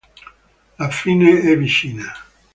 La fine è vicina.